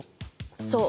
そう。